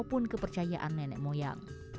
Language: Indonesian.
dan kepercayaan nenek moyang